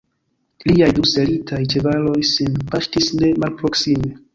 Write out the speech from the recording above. Liaj du selitaj ĉevaloj sin paŝtis ne malproksime.